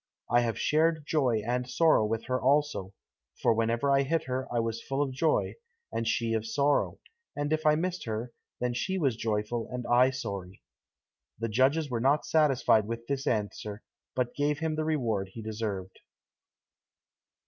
I have shared joy and sorrow with her also, for whenever I hit her I was full of joy, and she of sorrow, and if I missed her, then she was joyful, and I sorry." The judges were not satisfied with this answer, but gave him the reward he deserved.